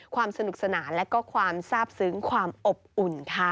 ความสนุกสนานและก็ความทราบซึ้งความอบอุ่นค่ะ